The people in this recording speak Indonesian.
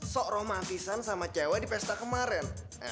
seperti romantis dengan perempuan di pesta kemarin